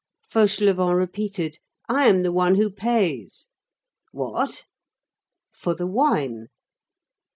Fauchelevent repeated:— "I am the one who pays!" "What?" "For the wine."